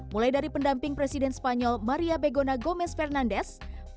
mulai dari pendamping presiden spanyol maria begona gomez fernandes